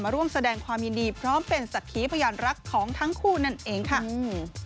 ร่วมแสดงความยินดีพร้อมเป็นสักขีพยานรักของทั้งคู่นั่นเองค่ะอืม